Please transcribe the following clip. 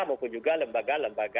maupun juga lembaga lembaga